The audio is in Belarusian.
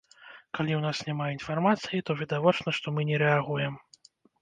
Калі ў нас няма інфармацыі, то відавочна, што мы не рэагуем.